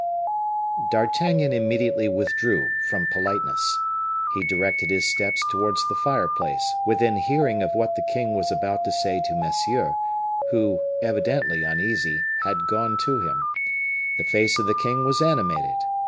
D'Artagnan immediately withdrew, from politeness. He directed his steps towards the fireplace, within hearing of what the king was about to say to Monsieur, who, evidently uneasy, had gone to him. The face of the king was animated.